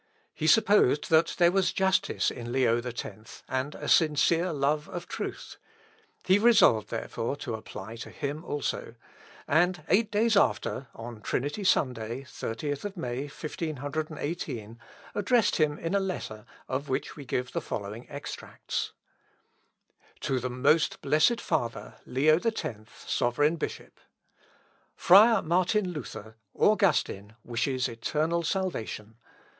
He supposed that there was justice in Leo X, and a sincere love of truth. He resolved, therefore, to apply to him also; and eight days after, on Trinity Sunday, 30th May, 1518, addressed him in a letter, of which we give the following extracts: "To the Most Blessed Father, LEO X, Sovereign Bishop, "Friar Martin Luther, Augustin, wishes eternal salvation!